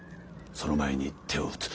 その前に手を打つ。